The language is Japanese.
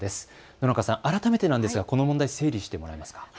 野中さん、改めてですがこの問題、整理してもらえますか。